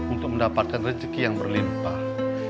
untuk mendapatkan rezeki yang berlimpah